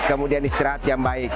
kemudian istirahat yang baik